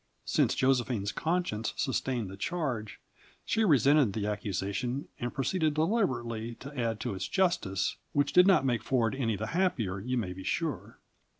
Since Josephine's conscience sustained the charge, she resented the accusation and proceeded deliberately to add to its justice; which did not make Ford any the happier, you may be sure.